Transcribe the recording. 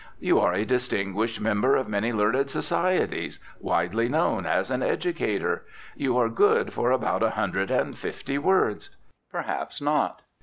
You are a distinguished member of many learned societies, widely known as an educator. You are good for about a hundred and fifty words. Perhaps not.